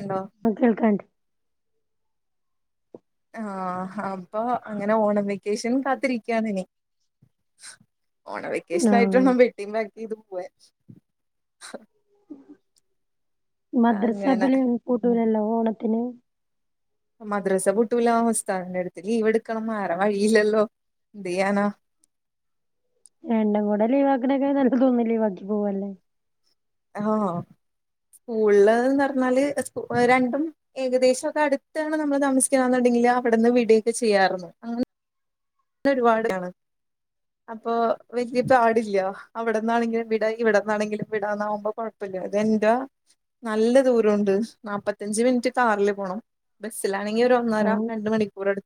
Hello. ആഹ് കേൾക്കാണ്ട് ആഹ് അപ്പോ അങ്ങനെ ഓണം വെക്കേഷൻ കാത്തിരികു- [unintelligible] ഓണവെക്കേഷൻ ആയിട്ട് ആഹ് വേണം വീ ഇതി മ്മക്ക് പൊയറ്റ് അങ്ങനെ മദ്രസബല് കൂട്ടൂലല്ലോ ഓണത്തിന്- മദ്രസ പൂട്ടുല്ല ഉസതാദിന്റെ അടുത്ത് ലീവ് എടുക്കണം വേറെ വഴിയില്ലല്ലോ എന്ത് ചെയ്യാനാ രണ്ടും കൂടെ ലീവ് ആക്കണൊക്കെ നല്ല ഒന്ന് ലീവാക്കി പോവല്ലേ ആഹ് സ്കൂളില് നടന്നാൽ സ്കു രണ്ടും ഏകദേശം ഒക്കെ അടുത്തണ് നമ്മള് താമസിക്കണെന്നുണ്ടെങ്കില് അവിടെന്ന് വിടയൊക്കെ ചെയ്യാരുന്നു ഇത് ഒരുപാടാണ് അപ്പോ വല്യയ പാടില്ല അവിടന്നാണെങ്കിലും വിട ഇവിടന്നാണെങ്കിലും വിടാന്നാകുമ്പോ- പിന്നെ അത് എന്റെ നല്ല ദൂരണ്ട് നാൽപ്പത്തിയഞ്ച് മിനിറ്റ് കാറില് പോണം. ബസ്സിലാണെങ്കിൽ ഒന്നര ആഹ് രണ്ട് മണിക്കൂർ എടുക്കും.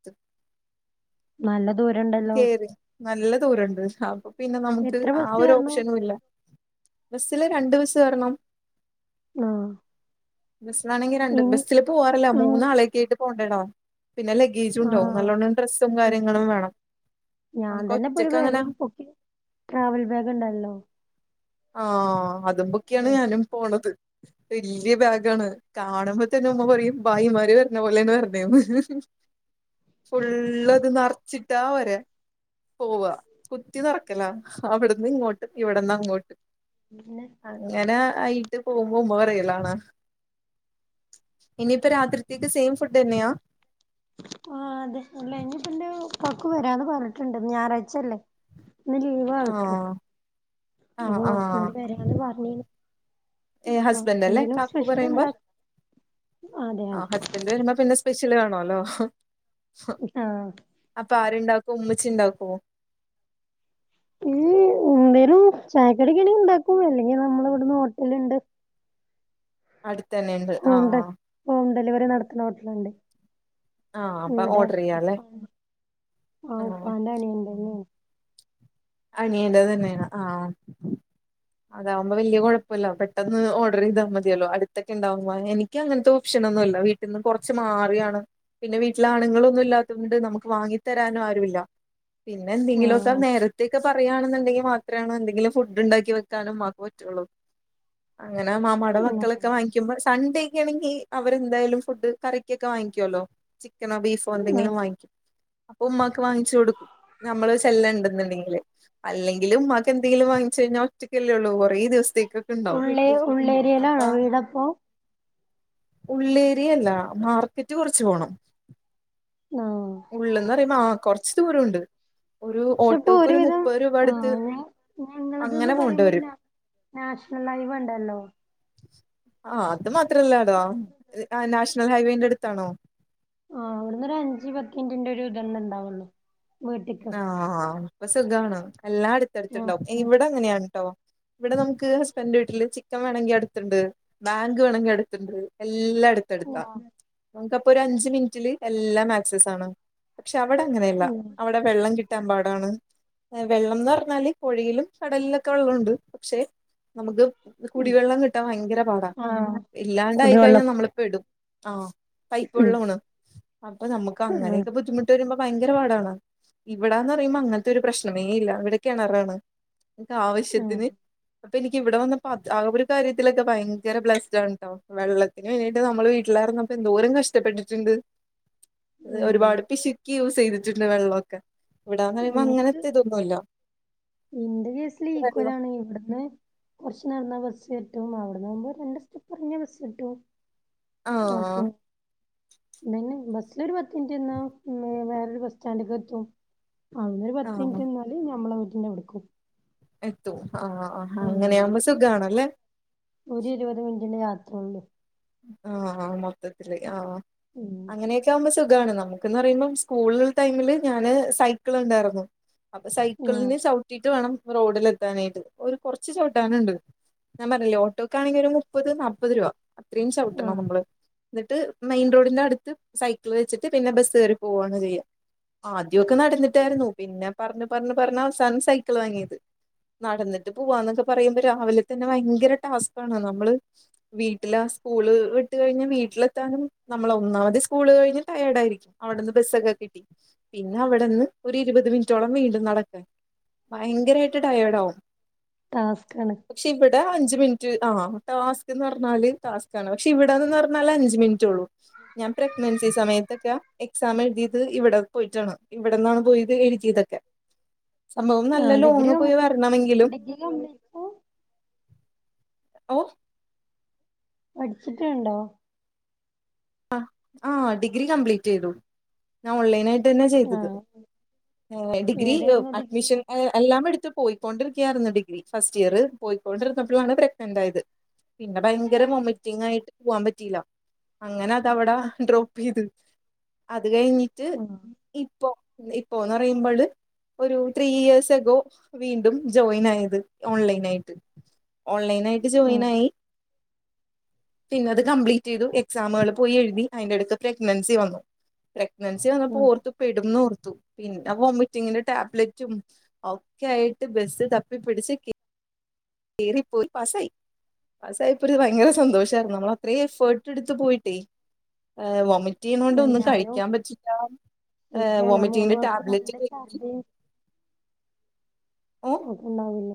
നല്ല ദൂരം കേറി നല്ല ദൂരണ്ട് അപ്പോ പിന്നെ നമുക്ക് എത്ര ആ ബസ് ഒരു കേറണം ഓപ്ഷനുല്ല. ബസ്സില് രണ്ട് ബസ്സ് കേറണം. ആഹ് ബസ്സിലാണെങ്കിൽ രണ്ട് ഇൻ ബസ്സില് പോവാറില്ല ഇൻ മൂന്നാളേക്കെ ആയിട്ട് പോണ്ടേടോ പിന്നെ- ഈജും ആഹ് നല്ലൊണം ഡ്രസും കാര്യ ഞാൻ തന്നെ ഇപ്പൊ ഒരു അങ്ങനെ ബാഗ് പൊക്കി ട്രാവൽ ബാഗ് ഉണ്ടല്ലോ ആഹ് അതുംപൊക്കിയാണ് ആഹ് ഞാനും പോണത് വല്യ ബാഗാണ് കാണുമ്പോ തന്നെ ഉമ്മ പറയും ബായിമാര് വര്ന പോലെ വര്ണെന്ന് ഫുുള്ള അത് നറച്ചിട്ടാ വരെ പോവാ കുത്തി നെറക്കല അവിടന്ന് ഇങ്ങോട്ട് ഇവിടന്ന് അങ്ങോട്ട് പിന്നെ അങ്ങനെ ആയിട്ട് പോകുമ്പോ ഉമ്മ പറയലാണ് ഇനിയിപ്പ രാത്രിത്തേക്ക് സെയിം ഫുഡ് ന്നെയാ ആഹ് അതെ അല്ല ഇനിപ്പം ഇന്റെ കാക്കു വരാന്ന് പറഞ്ഞിട്ടുണ്ട് ഞായറാഴ്ചല്ലേ ഇന്ന് ലീവ് ആൾക്ക് ആഹ് ആഹ് അപ്പൊ ആഹ് ഇങ്ങോട്ട വരാന്ന് പറഞ്ഞീനി ഏ ആഹ് ഹസ്ബൻഡ് അല്ലേ എന്താകിലും കാക്കു സ്പെഷ്യൽണ്ട പറയുമ്പോ ആ ഹസ്ബൻഡ് വരുമ്പോ പിന്നെ സ്പെഷ്യല് വേണല്ലോ ആഹ് അപ്പൊ ആരുണ്ടാക്കും ഉമ്മിച്ചി ണ്ടാക്കൊ ഈ എന്തേരും ചായക്കടി കാണേ ഇണ്ടാക്കൂ അല്ലെങ്കിൽ നമ്മൾ ഇവിടുന്ന് ഹോട്ടല ഉണ്ട് അടുത്ത ന്നെ ഇണ്ട് ഹോം ഡെ ആഹ്ആഹ് ഹോം ഡെലിവറി നടത്തുന്ന ഹോട്ടല്ണ്ട് ആഹ് അപ്പൊ ഇവിടെ ഓർഡർ ഉപ്പ ചെയ്യാല്ലേ ആഹ് ഉപ്പാൻ്റെ അനിയൻതന്നയാണ് അനിയേണ്ടത് തന്നെയാണ് ആഹ അതാവുമ്പോ വലിയ കുഴപ്പമില്ല പെട്ടന്ന് ഓഡർ ചെയ്താൽ മതിയല്ലോ അടുത്തോക്കെ ഉണ്ടാവുമ്പോ എനിക്ക് അങ്ങനത്തെ ഓപ്ഷന ഒന്നുമില്ല വീ ഇന്ന് കുറച്ച് മാറിയാണ് പിന്നെ വീട്ടില ആണുങ്ങളൊന്നും ഇല്ലാത്തത കൊണ്ട് നമുക്ക് വാങ്ങി തരാനും ആരുല്ല പിന്നെ എന്തെങ്കിലുമൊക്കെ ആഹ് നേര ഇ പറയാണെന്നുണ്ടെങ്കിൽ മാത്രാണ് എന്തെങ്കില ഫുഡ് ഉണ്ടാക്കി വെക്കാനും ഉമ്മക്ക് പറ്റുള്ളൂ അങ്ങനെ മാമാടെ മക്കളൊക്കെ വാങ്ങിക്കുമ്പോ സൺഡേക്ക ആണെങ്കിൽ അവരെന്തായാലും ഫുഡ് കറിക്കൊക്കെ വാങ്ങിക്കുവല്ലോ ചിക്കനോ ബീഫ് അപ്പ എന്തെങ്കിലും ആഹ് വാങ്ങിക്കും അപ്പൊ ഉമ്മാക്ക് വാങ്ങിച്ചു കൊടുക്കും നമ്മള് സെൽ ഉണ്ടണ്ടെങ്കിൽ അല്ലെങ്കില ഉമ്മാക്ക് എന്തെങ്കിലും വാങ്ങിച്ച കഴിഞ്ഞാ ഒറ്റക്കല്ലേള്ളൂ കുറേ ദിവസത്തേക്ക് ഉള്ളേ ഉള്ളേരിയയിലാണോ വീടപ്പോ ഉള്ളേരിയല്ല മാർക്കറ്റ് കുറച്ച് പോണം ഉം ഉള്ളന്ന് പറയുമ്പോ ആഹ് കുറച്ച് ദൂരം ഉണ്ട് ഒരു ഉള്ള് അപ്പൊ ഒരുവിധം ആഹ് ഞ ഞങ്ങളതന്. അങ്ങനെ ന് പോകേണ്ടി പറയുമ്പോ വരും പിന്ന നാഷണൽ ഹൈവ് ഉണ്ടല്ലോ ആഹ് അത് മാത്രല്ല ടാ നാഷണൽ ഹൈവേന്റെ അടുത്താണോ ആഹ് അവിടുന്ന് ഒരു അഞ്ചച് പത്ത് മിനിന്റെ ഒരു ഇതെണ്ണ ഉണ്ടാവല്ലോ ആഹ് അപ്പൊ സുഖണ എല്ലാം ആഹ് അടുത്ത്ടുത്തുണ്ടാവും ആഹ് ഇവിടെ അങ്ങനെ ആണുട്ടോ ഇവിടെ നമുക്ക് ഹസ്ബൻഡന്റെ വീട്ടില് ചിക്കൻ വേണമെങ്കി അടുത്തുണ്ട് ബാങ്ക് വേണങ്കി അടുത്തണ്ട് എല്ലാം അടു ടുക്ക നമുക്കപ്പൊ ഒരു അഞ്ച് മിനിറ്റില് എല്ലാ ആക്സസ ആണ് പക്ഷെ അവിടെ അങ്ങനെയല്ല അവിടെ വെള്ളം കിട്ടാൻ പാടാണ് വെള്ളം എന്ന് പറഞ്ഞാല് കോഴിയിലും കടലിലൊക്കെ വെള്ളമുണ്ട് പക്ഷെ നമുക്ക് കുടിവെള്ളം കിട്ടാൻ ഭയങ്കര പാടാ ആഹ് കുടിവെള്ളം ഇല്ലാണ്ടായിക്കഴിഞ്ഞാൽ നമ്മളു പെടും ആഹ പൈപ്പ് ഉം വെള്ളമാണ് അപ്പൊ നമുക്ക് ആഹ് അങ്ങനെയൊക്കെ ബുദ്ധിമുട്ട് വരുമ്പോ ഭയങ്കര പാടാണ് ഇവിടന്ന് പറയുമ്പോ അങ്ങനത്തെ ഒരു പ്രശ്നമേ ഇല്ല ഇവിടെ കിണറാണ് ആഹ് ആവശ്യത്തിന് അപ്പൊ എനിക്ക് ഇവിടെ വന്ന ആ ഒരു കാര്യത്തിലൊക്കെ ഭയങ്കര ബ്ലസ്ഡ ആണ് കേട്ടോ വെള്ളത്തി പിന്നന് വേണീട്ട് നമ്മള് വീട്ടിലിറങ്ങപ്പോ എന്തോരം കഷ്ടപ്പെട്ടിട്ടുണ്ട് ഉം ഒരുപാട് പിശുക്കി യൂസ് ചെയ്തിട്ടുണ്ട് വെള്ളമൊക്കെ ഇവിടാന്ന് അങ്ങനത്തെ ഇതൊന്നുമല്ല എന്റെ കേസില് ഈക്കലാണ് ഇവിടുന്ന് കൊർച്ച് നട്ന്നാൽ ബസ്ട്ടും അവിടന്ന്കുമ്പോ രണ്ട് സ്റ്റെപ്പ് എർങ്ങ്യാബസ്സ്ട്ടും. ആഹ്. ന്തെന്നെബസ്സിലൊരു പത്ത് മിൻറ്റ്ന്നാ വേറൊരു ബസ് സ്റ്റാന്റ്ക്കേത്തും. അവ്ട്ന്നോരു പത്ത് ആഹ് മിൻറ്റ് നിന്നാല് ഞമ്മളെ വീട്ടിന്റെ അവ്ട്ക്കും. എത്തൂ ആഹ അങ്ങനെയാവുമ്പോ സുഖാണല്ലേ. ഒര് ഇരുപത് മിനിറ്റിന്റെ യാത്രഒള്ളൂ. ആഹ് മൊത്തത്തില് ആഹ് ഉം അങ്ങനെയെച്. ക്കവുമ്പോ സുഖാണ് നമുക്ക്ന്ന്റിയുമ്പോം സ്കൂള് ടൈമില് ഞാന് സൈക്ക്ൾണ്ടാർന്നു. അപ്പൊ ആഹ് സൈക്കിളിന് ചൗട്ടീട്ട് വേണം റോഡിൽ എത്താനായിട്ട് ഒരു കൊർച്ച് ചൗട്ടാന്ണ്ട്. ഞാൻ പറഞ്ഞില്ലേ ഓട്ടോക്കാണെങ്കി ഒരു മുപ്പത് നാപ്പത് രൂവ അത്രയും ആഹ് ചൗട്ടണംമ്ള്. എന്ന്ട്ട് മെയിൻറോഡിന്റെ അട്ത്ത് സൈക്കിൾ വെച്ചിട്ട് പിന്നെ ബസ്സെറി പോവാണ്ചെയ്യാ. ആദ്യയൊക്കെ നടന്നിട്ടായിര്ന്നു പിന്നെ പർഞ്ഞ് പർഞ്ഞ് പറഞ്ഞവ്സാനം സൈക്കിൾ വാങ്ങിയത്. നടന്ന്ട്ട് പൂവാന്നൊക്കെ പറയുമ്പോ രാവിലെ തന്നെ ഭയങ്കര ടാസ്ക്കാണ് നമ്മള് വീട്ട് ട്ടില്ലസ്കൂള് വിട്ട് കഴിഞ്ഞ് വീട്ടിലെത്താനും ന്നമ്മളൊന്നാമത് സ്കൂള് കഴ്ഞ്ഞ് ടയേഡായിരിക്കും. അവ്ടന്ന് ബെസ്സൊക്കെ കിട്ടി പിന്നെ അവിടെന്ന് ഒര് ഇരുപത് മിനിറ്റോളം വീണ്ടും നടക്കാൻ. ഭയങ്കരായിട്ട് ടയേഡാവും. ടാസ്ക്കാണ് ഷിവ്ടെ അഞ്ച് മിൻറ്റ് ആഹ് ടാസ്ക്ന്ന് പർഞ്ഞാൽ. ടാസ്ക്കാണ് പക്ഷെ ഇവടന്നെന്ന് പറഞ്ഞാല് അഞ്ച് മിൻറ്റൊള്ളൂ. ഞാൻ പ്രഗ്നൻസി സമയത്തൊക്കെ എക്സാം എഴ്തിയത്ഇവടെ പോയിട്ടാണ്. ഇവടന്നാണ് പോയത് എഴുതിയതൊക്കെ. സംഭവം നല്ല ആഹ് ഡിഗ്രി ലോങ്ങ് കം പോയി വര്ണമെങ്കിലും ഡിഗ്രി കംപ്ലീറ്റ് ഓ. പഠ്ച്ച്ട്ട്ണ്ടോ? അ ആഹ് ഡിഗ്രി കംപ്ലീറ്റെയ്തു. ഞാൻ ഓൺലൈനായിട്ടെന്നെ ചെയ്തത് ആഹ് ഏ ഡിഗ്രി ഏതായിരുന്നു ഡിഗ്രി അഡ്മിഷൻ ഏ എല്ലാംമെട്ത്ത് പോയിക്കൊണ്ടിരിക്യാര്ന്നു ഡിഗ്രി ഫസ്റ്റ് ഇയർ പോയിക്കൊണ്ടിരുന്നപ്പോഴാണ് പ്രഗ്നന്റായത്. പിന്നെ ഭയങ്കര വൊമറ്റിംങ്ങായിട്ട് പോവാൻ പറ്റീല്ല. അങ്ങനെ അതവടെ ഡ്രോപ്പെയ്ത് അത് കഴിഞ്ഞിട്ട് ആഹ് ഇപ്പോ ഇപ്പോന്ന്റയ്മ്പഴ്. ഒര് ത്രീ ഇയേഴ്സ് എകോ വീണ്ടും ജോയിനായത് ഓൺലൈനായിട്ട്. ഓൺലൈനായിട്ട് ജോയിൻ ആഹ് ആയി പിന്നത് കംപ്ലീറ്റെയ്തു. എക്സാമുകൾ പോയി എഴ്തി അയിന്റെ എട്ക്ക് പ്രഗ്നൻസി വന്നു പ്രഗ്നൻസി വന്നപ്പോ ആഹ് ഓർത്ത് പെടുംന്നോർത്തു പിന്നെ വോമിറ്റിങ്ങിന്റെ ടാബ്ലറ്റും. ഒക്കെ ആയിട്ട് ബസ്സ് തപ്പി പിടിച്ച് കിട്ട് കേറി പോയി പാസായി. പസായപ്പൊര് ഭയങ്കര സന്തോഷാര്ന്നു ന്നമ്മളത്രേം എഫേർട്ട്ട്ത്ത് പോയിട്ടേ. എഹ് വൊമിറ്റെയ്ണോണ്ട് ഒന്നും ഞാനും കഴിക്യാൻ പറ്റില്ല എ വൊമിറ്റിങ്ങിന്റെ ടാബ്ലറ്റ്കഴി മ്. ഓ നോട്ടണ്ടാവില്ല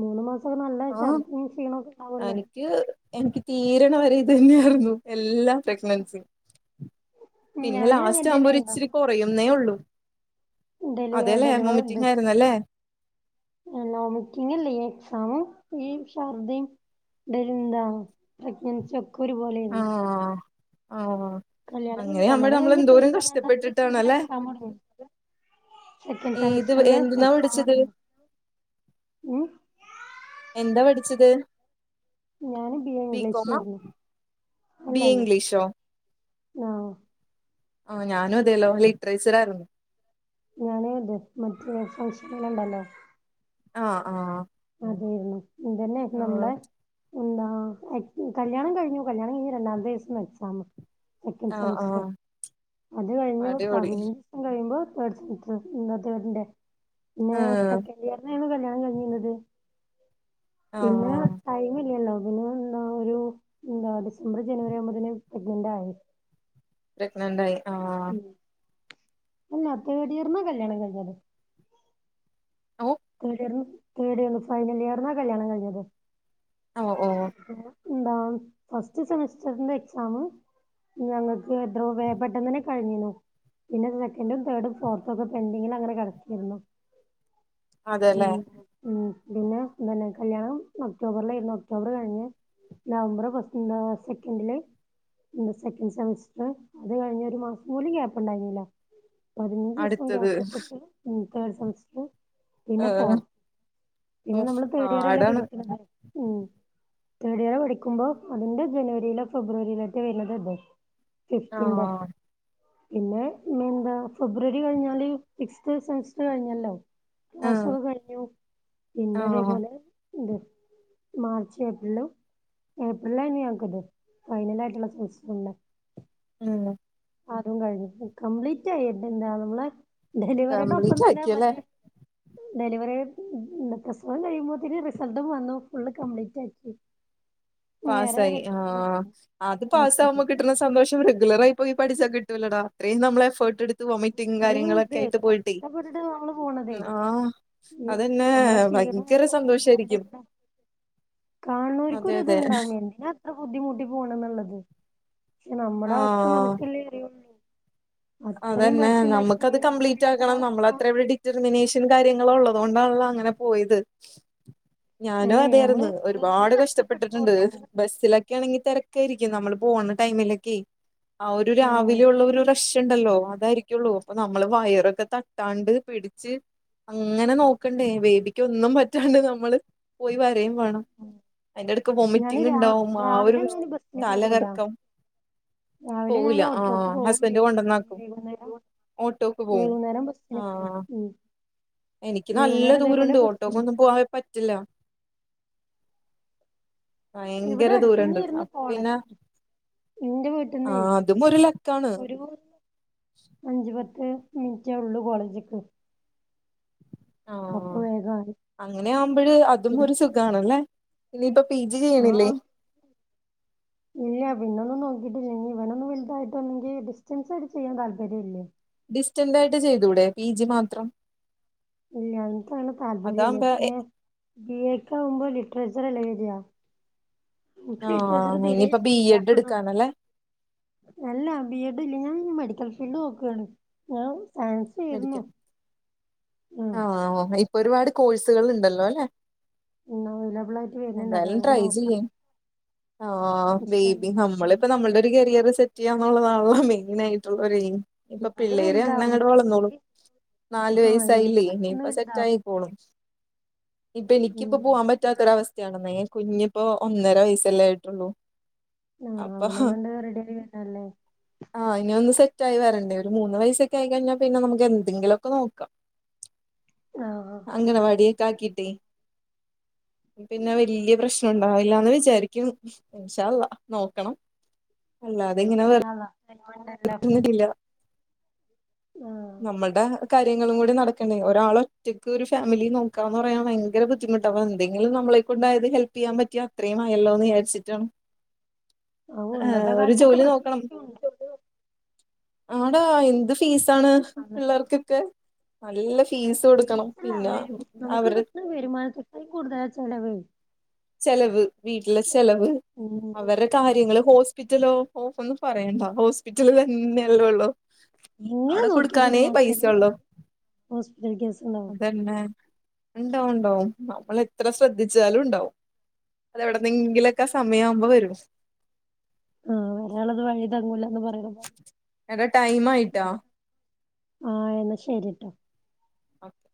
മൂന്ന് മാസം നല്ല ആഹ് ശർദിം ക്ഷീണോക്കെണ്ടാവൊല്ലോ. [unintelligible] എനിക്ക് തീര്ണ വരെ ഇതെന്നെയാര്ന്നു. എല്ലാ പ്രഗ്നൻസിം പിന്നെ ഞാനും അങ്ങനെ ലാസ്റ്റാ വുമ്പോര് തന്നെയായിരുന്നു ഇച്ചിരികൊ റയ്യുന്നേ ഒള്ളൂ ഡെലി അതെലെ വൊമിറ്റിങ്ങ് ആയിരുന്നല്ലേ? എനോമിറ്റിങ്ങല്ലേ ഈ എക്സാമും ഈ ഷർദിം തെന്താ പ്രഗ്നൻസി ഒക്കെ ഒര് പോലെര്ന്നു. ആഹ് ആഹ്. കല്യാണം കയ്ഞ്ഞ് അങ്ങനെയാകുമ്പോ കല്യാണം നമ്മൾ കയ്ഞ്ഞ് എന്തോരം പൈന്നാലാന്തി കഷ്ടപ്പെട്ടിട്ടാണല്ലേ കൂടെഎക്സാം മോടങ്ങി. സെക്കൻ് ഏത് സെമസ്റ്റർന്റെ എന്തുന്നാ പഠിച്ചത് എക്സാമോട്ങ്ങി. മ്. എന്താ പഠിച്ചത്? ഞാന് ബി എ ബികോമാ ഇംഗ്ലീഷ്ര്ന്നു ബി എ അല്ലല്ല ഇംഗ്ലീഷോ ആഹ്. ആ ഞാനും അതേല്ലോ ലിറ്ററേച്ചർ ആയിരുന്നു ഞാനും അതെ മറ്റേ ഫംഗഷണൽ ഉണ്ടല്ലോ ആഹ് ആഹ് അതായിരുന്നു എന്തെന്നെരുന്നു ആഹ് നമ്മുടെ എന്താ കല്യാണം കഴിഞ്ഞു കല്യാണം കഴിഞ്ഞു രണ്ടാമത്തെ ദിവസം എക്സാമ സെക്കൻഡ് ആഹ് സെമസ്റ്റർ ആഹ് അത് കഴിഞ്ഞു അടിപൊളി പതിനെഞ്ചു ഇത് കഴിയുമ്പോ തേഡ് സെമെസ്റ്റർ ഇന്നത്തേതിൻ്റെ പിന്നെ ആഹ് സെക്കൻഡ് ഇയറിനായിരുന്നു കല്യാണം കഴഞ്ഞിരുന്നത് പിന്നെ ആഹ് ടൈം ഇല്ലല്ലോ പിന്നെ ഒരു എന്താ ഡിസംബർ ജനുവരി ആകുമ്പോതിന് പ്രഗ്‌നന്റ് ആയി പ്രഗ്നന്റ് ആയി ആ ഉം അല്ല തേർഡ് ഇയർന കല്യാണം കഴിഞ്ഞത് ഓ തേർഡ് ഇയർന്നു തേടിയർന് ഫൈനൽ ഇയർനാ കല്യാണം കഴിഞ്ഞത് ഓ ഓ എന്നിട്ട് എന്താ ഫസ്റ്റ് സെമിസ്റ്ററിന്റെ എക്സാമും ഞങ്ങൾക്ക് എത്രോ വേ പെട്ടെന്ന് തന്നെ കഴിഞ്ഞിനു പിന്നെ സെക്കൻഡും തേർഡും ഫോർത്തും ഒക്കെ പേടിൻഡിങ്ങിലങ്ങനെ കിടക്കയായിരുന്നു അതെല്ലേ ഉം പിന്ന കല്യാണം ഒക്ടോബറിലായിരുന്നു ഒക്ടോബർ കഴിഞ്ഞു നവംബർ ഫസ്റ്റ് സെക്കൻഡില് പിന്നെ സെക്കൻഡ് സെമസ്റ്ററ് അത് കഴിഞ്ഞ് ഒരു മാസം പോലും ഗ്യാപ് ഉണ്ടായിരുന്നില്ല പതിനഞ്ച് ദിവസം അടുത്തത് ഗ്യാപ്പ് ഇട്ടിട്ട് തേർഡ് സെമസ്റ്റർ പിന്നെ ഏഹ് ഫോർത്ത് ഇനി ഉഫ് നമ്മള് തേടിയറല്ലേ പാടാണ് പഠിക്കണത് ഉം തേർഡ് ഇയർ പഠിക്കുമ്പോ അതിന്റെ ജനുവരിയിലോ ഫെബ്രുവരിയിലോ ഒക്കെ വരുന്നത് അതെ ഫിഫ്റ്റീൻ ഡേ ആഹ് പിന്നെ ഇനി എന്താ ഫെബ്രുവരി കഴിഞ്ഞാല് സിക്സ്ത് സെമസ്റ്റർ കഴിഞ്ഞാല്ലോ ആഹ് ക്ലാസ്സൊക്കെ കഴിഞ്ഞൂ പിന്നെ ആഹ് അതേപോലെ എന്ത് മാർച്ച് ഏപ്രിലും ഏപ്രിലാ ഇനി ഞങ്ങക്ക്ത് ഫൈനൽ ആയിട്ടുള്ള സെമെസ്റ്റർ ഉണ്ട് ഉം അതും കഴിഞ്ഞു കംപ്ലീറ്റ് ആയിട്ട് എന്താ നമ്മളെ ഡെലിവറിടൊപ്പം കംപ്ലീറ്റ് തന്നെ ആക്കിയല്ലേ മറ്റേ ഡെലിവറി മ് മ് പ്രസവം കഴിയുമ്പോത്തേന് റിസൾട്ടും വന്നു ഫുള്ള് കംപ്ലീറ്റ് ആക്കി വേറെ പാസായി ആഹ് അത് പാസ് പാസ്സായി ആകുമ്പോ കിട്ടുന്ന സ് സന്തോഷം റെഗുലറായി പോയി പഠിച്ചാ കിട്ടൂലടാ അത്രയും നമ്മള് എഫോർട്ട് എടു വോമിറ്റിങ്ങ് ഇത്രയും ഇത് കാര്യങ്ങളൊക്കെ ആയിട്ട് പോയിട്ടേ കഷ്ടപ്പെട്ടിട്ട് നമ്മള് പോണതേ ആ ഈ അതന്നെ നമ്മളെ ഭ ക്ഷീണവും ഭയങ്കര സന്തോഷായിരിക്കും കാണുന്നവർക്ക് അതെ ഒരു ഇത് അതെ ഇണ്ടാവും എന്തിനാ അത്ര ബുദ്ധിമുട്ടി പോണം എന്നുള്ളത് പക്ഷെ നമ്മുട അവസ്ഥ ആഹ് നമുക്കല്ലേ അറിയൂ അതന്നെ നമുക്കത് കംപ്ലീറ്റ് ആക്കണം നമ്മള ഒന്നുമില്ലാത്തൊരവസ്ഥ അത്ര അവിടി ജർമ്മനേഷ്യൻ കാര്യങ്ങള് ഉള്ളത് കൊണ്ടാണല്ലോ അങ്ങനെ പോയത് ഞാനും അല്ലേ നമ്മള് അതെയാർന്ന് ഒരുപാട് കഷ്ടപ്പെട്ടിട്ടുണ്ട് ബസ്സിലൊക് ക്കെയാണെങ്കി തിരക്കായിരിക്കും നമ്മൾ പോകുന്ന ടൈമിലൊക്കെ ആ ഒരു ആഹ് രാവിലെ ഉള്ള ഒരു ട്ടുണ്ടല്ലോ അതായിരിക്കുള്ളൂ അപ്പൊ നമ്മള് വയറൊക്കെ തട്ടാണ്ട് പിടിച്ച് അങ്ങനെ നോക്കണ്ടേ ബേബിക്ക് ഒന്നും പറ്റാണ്ട് നമ്മള് പോയി വരയും വേണം അതിന്റെടക്ക് ഞാന് വൊമിറ്റിങ് രാ ഉണ്ടാവും ആ ഒരു രാവിലെ ഞാന് ബസ്സിന് പോവൂല തലകറക്കം രാവിലെ പോകൂല ഞാൻ ഓട്ടോക്ക് ആഹ് പോകും ഹസ്ബൻഡ് കൊണ്ടെന്നക്കും വൈകുന്നേരം ഓട്ടോക്ക് പോകും വൈകുന്നേരം ആ ബസ്സിന് പോകും ഉം എനിക്ക് നല്ല വൈകുന്നേരം ഇതേപോലെ ദൂരമുണ്ട് ബസ്സിന് ഓട്ടോക്കൊന്നും പോവാൻ പറ്റില്ല ഇവിടെ ഭയങ്കര ദൂരമുണ്ട് അടുത്തന്നെയായിരുന്നു അപ്പൊ പിന്ന കോളേജ് എന്റെ വീട്ടിന്നേ ആഹ് അതും ഒരു ലക്കാണ്. [unintelligible] അഞ്ച് പത്ത് മിൽറ്റെ ഒള്ളൂ കോളേജ്ക്ക്. ആഹ് അപ്പൊ വേഗായി അങ്ങനെ ആവുമ്പഴ് അതും പിന്നെ ഒരു സുഖാണല്ലേ. ഇനിയിപ്പ പി ജി ചെയ്യണില്ലേ ആഹ് ഇല്ല പിന്നൊന്നും നോക്കീട്ടില്ല ഇനി ഇവനൊന്ന് വൽതായിട്ടൊന്നങ്കി ഡിസ്റ്റൻസായിട്ട് ചെയ്യാൻ താല്പര്യം ഇല്ല. ഡിസ്റ്റന്റായിട്ട് ചെയ്തൂടെ പി ജി മാത്രം? ഇല്ല്യ ഇൻക്കങ്ങനെ താല്പര്യല്ല അതാവുമ്പോ പിന്നെ ബി എ ക്കാവുമ്പൊ ലിറ്ററേച്ചറല്ലെ വെരാ. ഇൻക്ക് ലിട്രേച്ചറ് ആഹ് തീരേ ഇനിയിപ്പ ബി ഇഷ്ടല്ല. എഡ് അ ഹ ഹ എടുക്കാനല്ലേ അല്ല ബി എഡ് ഇല്ല്യ ഞാൻ ഇനി മെഡിക്കൽ ഫീൽഡ് നോക്കാണ് ഞാൻ സയൻസ് തീർന്നു. മെഡിക്കൽ ആഹ് ഒ ഇപ്പൊ ഒരുപാട് കോഴ്സുകൾ ഇണ്ടല്ലോല്ലെ? ഇന്നഅവൈലബിളായിട്ട് വര്ന്ന്ണ്ട് അപ്പൊ നമക്ക് നോക്കാം. ഓ ഓ ഓ ബേബി നോക്കാം. നമ്മളിപ്പൊ നമ്മള്ടെ കരിയർ സെറ്റ് ചെയ്യാന്നുള്ളതാണല്ലോ മെയ്നാ യിട്ട്ള്ള ഒരേയിം. ഇപ്പൊ ഇവര് പിള്ളേര് അങ്ങനെ വലുതാവും. അങ്ങട്ട് വളർന്നോളും ഇവര് നാല് ആഹ് ഇവര് വയസ്സായില്ലേ പെട്ടെന്ന് ഇനിയിപ്പ വലുതാവും. സെറ്റായി. കോളും ഇപ്പ എനിക്കിപ്പ ഉം പോവാപറ്റാ പറ്റാത്തൊരവസ്ഥയാണെന്നെ കുഞ്ഞിപ്പോ ഒന്നര വയസ്സല്ലെ ആയിട്ടൊള്ളൂ. ആഹ് അപ്പൊ ഹാ അവനൊന്നണ്ട് റെഡിയായി വരണല്ലേ? ആഹ് ഇനി ഒന്ന് സെറ്റായി വരണ്ടേ ഒരു മൂന്ന് വയസൊ ക്കായി കഴിഞ്ഞാ പിന്നെ നമക്ക് എന്തെങ്കിലൊക്കെ നോക്കാം. ആഹ് അംഗണവാടിയൊക്കെ ആക്കിട്ടേ പിന്നെ വല്യ പ്രശ്ന ഉണ്ടാവില്ലാന്ന് വിചാരിക്കുന്ന്. ഇൻഷാള്ള നോക്കണം അല്ലാതിങ്ങനെ ഇൻഷാ വെർതെ അള്ളാ ടൈമുണ്ടല്ലോ നിർത്തിനില്ല ആഹ് നമ്മൾടെ കാര്യങ്ങളും കൂടി നട ക്കണെ. ഒരളൊറ്റക്ക് ഒരു ഫാമിലി നോക്കാന്ന് പറയാൻ ഭയങ്കര ബുദ്ധിമുട്ട അപ്പൊ എന്തങ്കിലും നമ്മളെക്കൊണ്ടായത് ഹെൽ പ്പെയ്യാൻ പറ്റിയ അത്രയും ആയല്ലോന്ന് വിചാരിച്ചിട്ടാണ് അവ് ഏഹ് ഇന്നത്തെ ഒരു കാലത്തൊക്കെ ജോലി നോക്കണം പ്രത്യേകിച്ചും ഉണ്ട് ആടാ എന്ത് ഫീസാണ് അന്ന് പിള്ളേർക്കൊക്കെ നല്ല ഫീസ് കൊടുക്കണം പിന്ന അവര് വരുമാനത്തെക്കാൾ കൂടുതലാ ചെലവെയ് ചെലവ് വീട്ടിലെ ചെലവ് ഉം അവരെ കാര്യങ്ങള് ഹോസ്പിറ്റലോ, ഓഹ് ഒന്നും പറയണ്ട ഹോസ്പിറ്റല് തന്നെയെല്ലള്ളൂ എങ്ങനെ നോക്കിയാലും ഒരു മാസത്തേക്ക് ഉള്ളൂ ഹോസ്പിറ്റൽ കേസിണ്ടാവും പിന്നെ ണ്ടാവും ണ്ടാവും നമ്മളെത്ര ശ്രദ്ധിച്ചാലും ണ്ടാവും അതെവിടന്നെങ്കിലൊക്കെ സമയാവുമ്പൊ വരും ആഹ് വരാള്ളത് വഴിതങ്ങൂലാന്ന് പറയണപോലെ എടാ ടൈം ആയിട്ടാ ആഹ് എന്ന ശരിട്ടോ ഓക്കെ